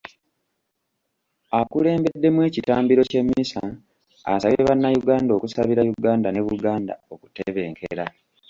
Akulembeddemu ekitambiro ky’emmisa asabye bannayuganda okusabira Uganda ne Buganda okutebenkera.